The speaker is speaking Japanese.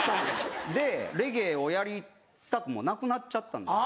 でレゲエをやりたくもなくなっちゃったんですよ。